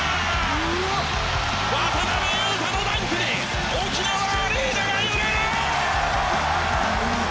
渡邊雄太のダンクに沖縄アリーナが揺れる！